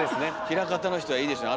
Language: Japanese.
枚方の人はいいですね。